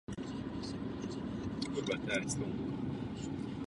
Klášter nechal úplně přestavět jižní křídlo zdejšího zámku.